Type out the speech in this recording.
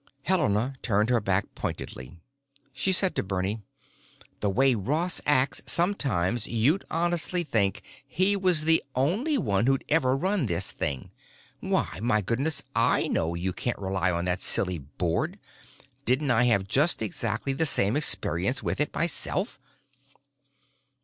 Helena turned her back pointedly. She said to Bernie, "The way Ross acts sometimes you'd honestly think he was the only one who'd ever run this thing. Why, my goodness, I know you can't rely on that silly board! Didn't I have just exactly the same experience with it myself?"